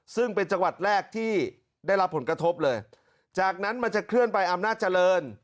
ซึ่งเป็นจังหวัดแรกที่ได้รับผลกระทบเลยจากนั้นมันจะเคลื่อนไปอำนาจเจริญ